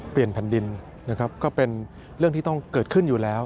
เปลี่ยนพันธุ์ดินก็เป็นเรื่องที่ต้องเกิดขึ้นอยู่แล้ว